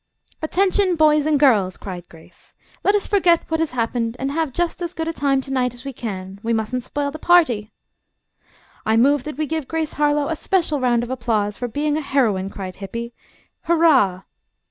"Attention, boys and girls," cried Grace. "Let us forget what has happened and have just as good a time to night as we can. We mustn't spoil the party." "I move that we give Grace Harlowe a special round of applause for being a heroine," cried Hippy. "Hurrah!"